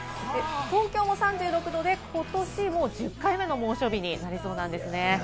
東京も３６度でことしもう１０回目の猛暑日になりそうなんですね。